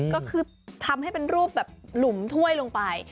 ก็คือทำให้เป็นรูปแบบหลุมถ้วยลงไป